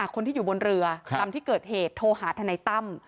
คนที่อยู่บนเรือลำที่เกิดเหตุโทรหาทนายตั้ม